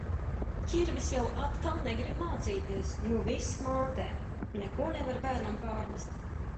Ķirbis jau atkal negrib mācīties, nu viss mātē, neko nevar bērnam pārmest.